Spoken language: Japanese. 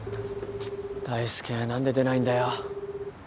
大介何で出ないんだよ。